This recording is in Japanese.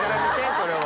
これは。